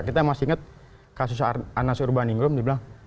kita masih ingat kasus anas urban inggrum dia bilang